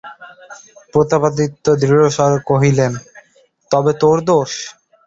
প্রতাপাদিত্য দৃঢ়স্বরে কহিলেন, তবে তোর দোষ?